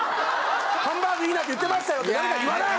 ハンバーグいいなって言ってましたよって誰か言わない？